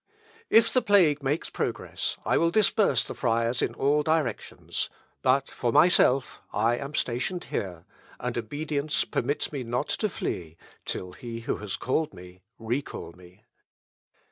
If the plague makes progress, I will disperse the friars in all directions, but for myself I am stationed here, and obedience permits me not to flee, till he who has called me recall me.